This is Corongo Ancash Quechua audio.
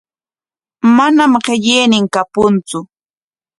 Manam qillaynin kapuntsu.